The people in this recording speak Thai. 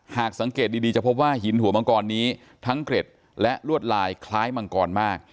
หากสังเกตดีจะพบว่าหินหัวมังกรนี้ทั้งเกร็ดและลวดลายคล้ายมังกรมาก